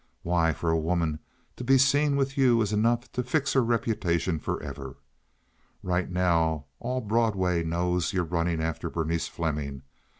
Why, for a woman to be seen with you is enough to fix her reputation forever. Right now all Broadway knows you're running after Berenice Fleming.